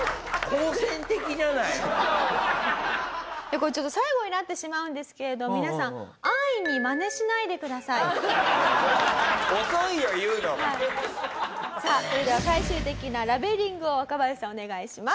これちょっと最後になってしまうんですけれど皆さんさあそれでは最終的なラべリングを若林さんお願いします。